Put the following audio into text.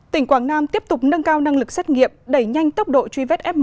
tỉnh quảng nam tiếp tục nâng cao năng lực xét nghiệm đẩy nhanh tốc độ truy vết f một